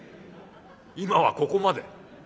今はここまで。